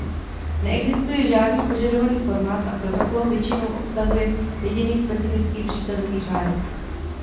Neexistuje žádný požadovaný formát a protokol většinou obsahuje jediný specifický příkazový řádek.